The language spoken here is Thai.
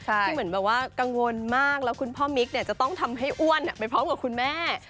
ที่เหมือนแบบว่ากังวลมากแล้วคุณพ่อมิ๊กจะต้องทำให้อ้วนไปพร้อมกับคุณแม่